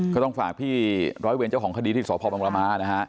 ก็ต้องฝากพี่ร้อยเวรเจ้าของคดีที่สพบังรมานะฮะ